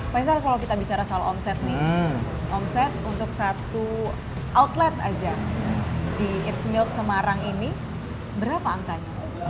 misalnya kalau kita bicara soal omset nih omset untuk satu outlet aja di eatsmilk semarang ini berapa angkanya